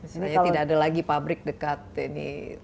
sebenarnya tidak ada lagi pabrik dekat tempat orang